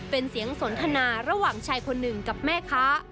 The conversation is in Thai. เป็นเสียงสนทนาระหว่างชายคนหนึ่งกับแม่ค้า